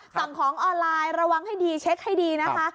สั่งของออนไลน์ระวังให้ดีเช็คให้ดีนะคะ